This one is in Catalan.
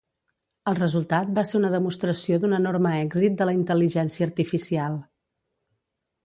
El resultat va ser una demostració d'un enorme èxit de la intel·ligència artificial.